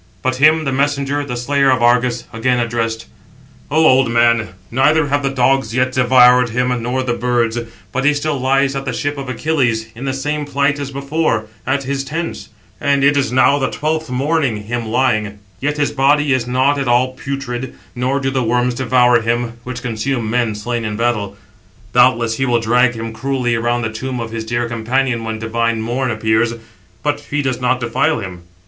But him the messenger, the slayer of Argus, again addressed: "O old man, neither have the dogs yet devoured him, nor the birds, but he still lies at the ship of Achilles, in the same plight as before, at his tents; and it is [now] the twelfth morning him lying, yet his body is not at all putrid, nor do the worms devour him, which consume men slain in battle. Doubtless he will drag him cruelly around the tomb of his dear companion when divine morn appears; but he does not defile him.